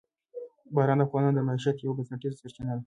باران د افغانانو د معیشت یوه بنسټیزه سرچینه ده.